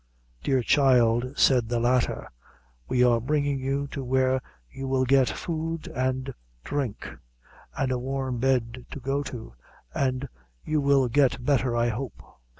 "Dear child," said the latter, "we are bringing you to where you will get food and drink, and a warm bed to go to, and you will get better, I hope."